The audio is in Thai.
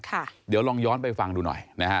เดี๋ยวลองย้อนไปฟังดูหน่อยนะฮะ